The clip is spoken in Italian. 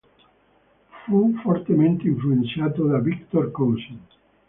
Fu fortemente influenzato da Victor Cousin.